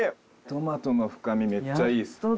トマトの深みめっちゃいいっす。